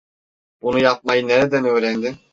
Bunu yapmayı nereden öğrendin?